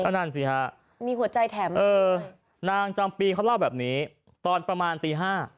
นั่นสิฮะมีหัวใจแถมเออนางจำปีเขาเล่าแบบนี้ตอนประมาณตี๕